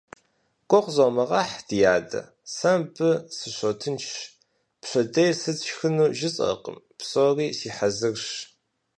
Гугъу зумыгъэхь, ди адэ, сэ мыбы сыщотынш, пщэдей сыт сшхыну жысӀэркъым, псори си хьэзырщ.